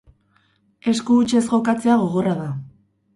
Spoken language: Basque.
Esku hutsez jokatzea gogorra da.